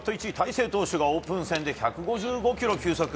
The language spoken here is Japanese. １位大勢投手がオープン戦で１５５キロ